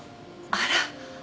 あら。